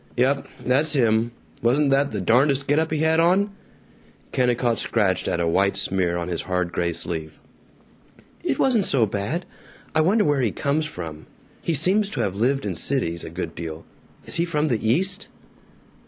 "Yump. That's him. Wasn't that the darndest get up he had on!" Kennicott scratched at a white smear on his hard gray sleeve. "It wasn't so bad. I wonder where he comes from? He seems to have lived in cities a good deal. Is he from the East?"